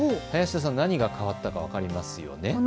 林田さん、何が変わったか分かりますよね。